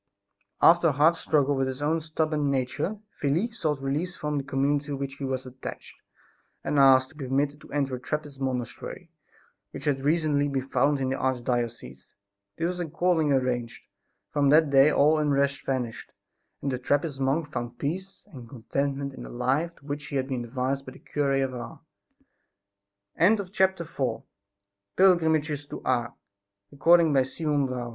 After a hard struggle with his own stubborn nature, Felix sought release from the community to which he was attached and asked to be permitted to enter a Trappist monastery which had recently been founded in the arch diocese. This was accordingly arranged. From that day all unrest vanished and the Trappist monk found peace and contentment in the life to which he had been advised by the cure of Ars. CHAPTER V. MIRACLES WROUGHT BY THE CURE OF ARS. INN